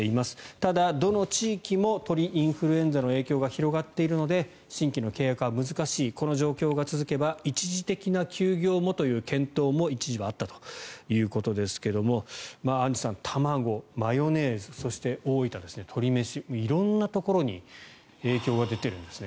ただ、どの地域も鳥インフルエンザの影響が広がっているので新規の契約は難しいこの状況が続けば一時的な休業もという検討も一時はあったということですがアンジュさん、卵、マヨネーズそして、大分ですね鶏めし、色んなところに影響が出ているんですね。